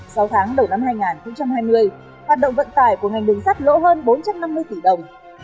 sau tháng đầu năm hai nghìn hai mươi hoạt động vận tải của ngành đường sắt lỗ hơn bốn trăm năm mươi tỷ đồng